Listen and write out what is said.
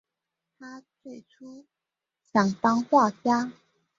他最初想当画家。